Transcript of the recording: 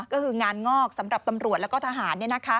ก็คืองานงอกสำหรับตำรวจแล้วก็ทหาร